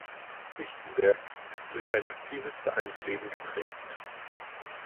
Lichtenberg ist durch ein aktives Vereinsleben geprägt.